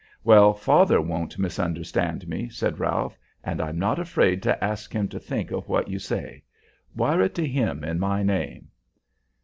"Well, father won't misunderstand me," said Ralph, "and I'm not afraid to ask him to think of what you say; wire it to him in my name."